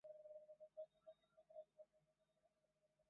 这只北极熊被视为全球气候变迁濒危物种的象征。